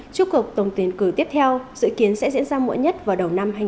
trúc cực tổng tuyển cử tiếp theo dự kiến sẽ diễn ra muộn nhất vào đầu năm hai nghìn hai mươi